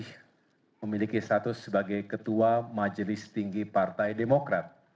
tetapi juga masih memiliki status sebagai ketua majelis tinggi partai demokrat